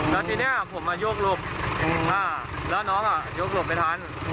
แล้วทีนี้ผมมายกหลบแล้วน้องยกหลบไม่ทัน